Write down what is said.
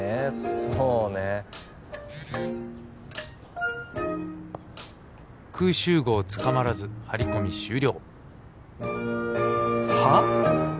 そうね「クウシュウゴウ捕まらず張り込み終了」はあ？